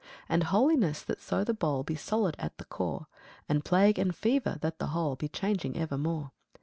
5. And Holiness that so the bole Be solid at the core; And Plague and Fever, that the whole Be changing evermore.